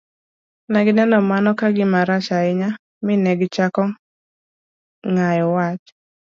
Ne gineno mano ka gima rach ahinya mi ne gichako ng'ayo wach.